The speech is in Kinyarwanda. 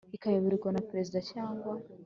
ikayoborwa na Perezida cyangwa